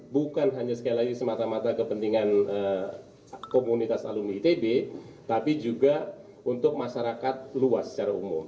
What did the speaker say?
bukan hanya sekali lagi semata mata kepentingan komunitas alumni itb tapi juga untuk masyarakat luas secara umum